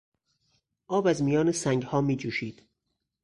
آب از میان سنگها میجوشید.